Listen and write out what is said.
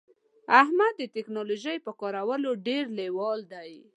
احمد د ټکنالوژی په کارولو کې ډیر لیوال دی